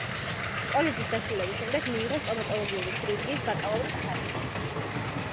კოლეჯის დასრულების შემდეგ მიიღო სტომატოლოგიური ქირურგიის ბაკალავრის ხარისხი.